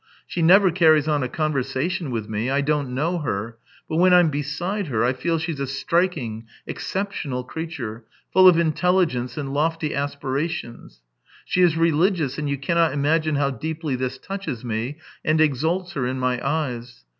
She never carries on a conversation with me — I don't know her; but when I'm beside her I feel she's a striking, exceptional creature, full of intelligence and lofty aspirations. She is religious, and you cannot imagine how deeply this touches me and exalts her in my eyes.